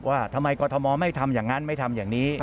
ว่าทำไมกรทมไม่ทำอย่างนั้นไม่ทำอย่างนี้